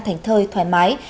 thành thơi thoải mái